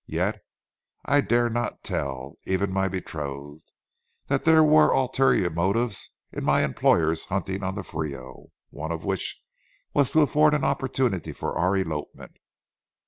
Yet I dare not tell, even my betrothed, that there were ulterior motives in my employer's hunting on the Frio, one of which was to afford an opportunity for our elopement.